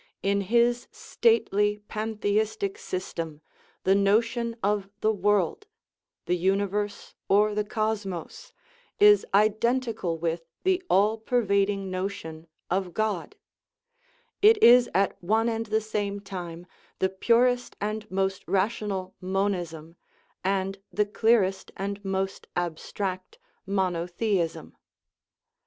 In his stately pantheistic system the notion of the world (the universe, or the cosmos) is identical with the all pervading notion of God ; it is at one and the same time the purest and most rational monism and the clearest and most abstract monotheism.